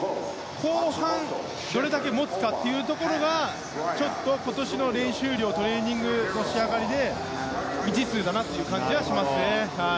後半、どれだけ持つかがちょっと今年の練習量、トレーニングの仕上がりで、未知数だなという感じがします。